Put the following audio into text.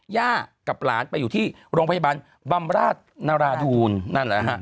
กับหลานไปอยู่ที่โรงพยาบาลบำราชนราดูนนั่นแหละฮะ